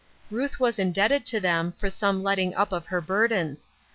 Ruth was indebted to them for some letting up of her burdens.